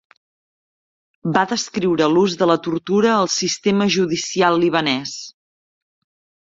Va descriure l"ús de la tortura al sistema judicial libanès.